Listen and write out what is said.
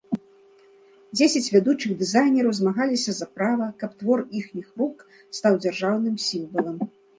Дзесяць вядучых дызайнераў змагаліся за права, каб твор іхніх рук стаў дзяржаўным сімвалам.